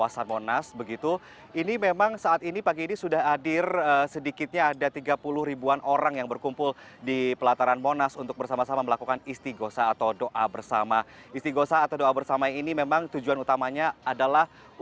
selamat pagi alfian dan seril